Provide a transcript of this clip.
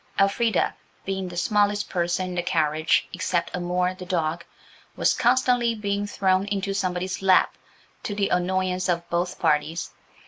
Elfrida, being the smallest person in the carriage except Amour, the dog, was constantly being thrown into somebody's lap–to the annoyance of both parties.